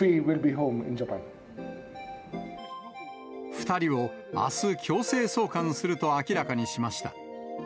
２人をあす、強制送還すると明らかにしました。